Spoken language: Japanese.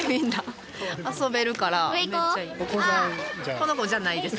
この子じゃないです。